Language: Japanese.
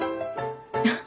あっ。